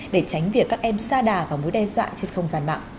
để tránh việc các em xa đà vào mối đe dọa trên không gian mạng